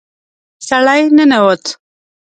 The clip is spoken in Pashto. سړی ننوت.